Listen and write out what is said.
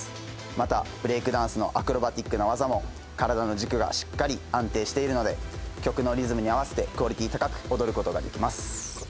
またブレイクダンスのアクロバティックな技も体の軸がしっかり安定しているので曲のリズムに合わせてクオリティー高く踊ることができます